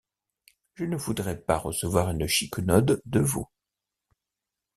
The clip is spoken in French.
Je ne voudrais pas recevoir une chiquenaude de vous.